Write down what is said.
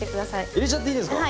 入れちゃっていいですか？